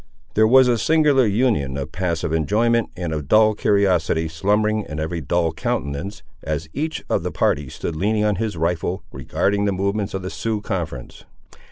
There was a singular union of passive enjoyment and of dull curiosity slumbering in every dull countenance, as each of the party stood leaning on his rifle, regarding the movements of the Sioux conference.